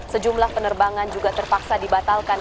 sejumlah penerbangan juga terpaksa dibatalkan